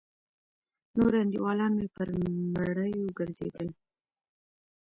نور انډيولان مې پر مړيو گرځېدل.